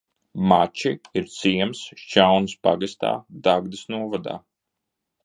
Mači ir ciems Šķaunes pagastā, Dagdas novadā.